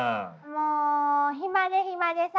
もう暇で暇でさ。